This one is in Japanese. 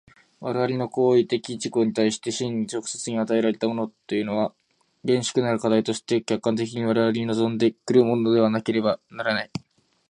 我々の行為的自己に対して真に直接に与えられたものというのは、厳粛なる課題として客観的に我々に臨んで来るものでなければならない。